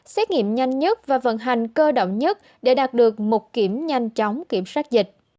xét nghiệm nhanh nhất và vận hành cơ động nhất để đạt được mục kiểm nhanh chóng kiểm soát dịch